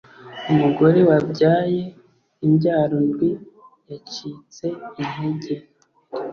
Umugore wabyaye imbyaro ndwi yacitse integer